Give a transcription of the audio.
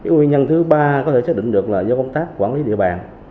nguyên nhân thứ ba có thể xác định được là do công tác quản lý địa bàn